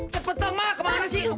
cepet ma kemana sih